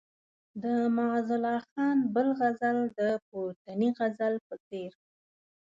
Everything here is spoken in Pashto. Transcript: د معزالله خان بل غزل د پورتني غزل په څېر.